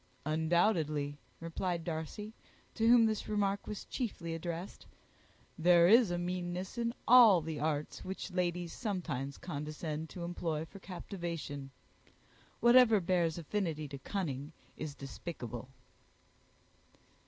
"Undoubtedly," replied Darcy, to whom this remark was chiefly addressed, "there is meanness in all the arts which ladies sometimes condescend to employ for captivation. Whatever bears affinity to cunning is despicable."